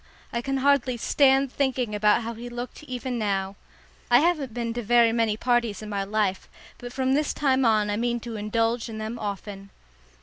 I can hardly stand thinking about how he looked even now. I haven't been to very many parties in my life, but from this time on I mean to indulge in them often.